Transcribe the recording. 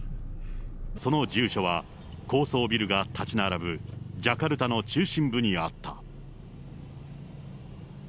その住所は高層ビルが建ち並ぶジャカルタの中心部にあった。